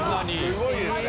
すごいですね。